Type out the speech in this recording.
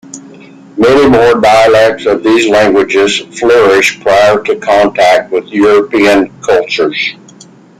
Many more dialects of these languages flourished prior to contact with European cultures.